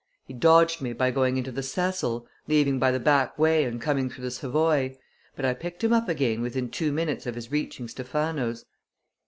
He dodged me by going into the Cecil, leaving by the back way and coming through the Savoy; but I picked him up again within two minutes of his reaching Stephano's.